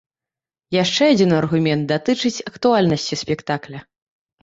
Яшчэ адзін аргумент датычыць актуальнасці спектакля.